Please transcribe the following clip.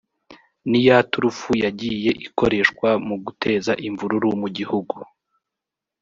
ni ya turufu yagiye ikoreshwa mu guteza imvururu mu gihugu